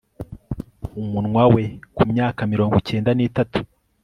umunwa we. kumyaka mirongo cyenda n'itatu